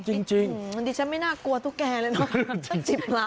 จริงอันนี้ฉันไม่น่ากลัวตุ๊กแกเลยนะ๑๐ล้าน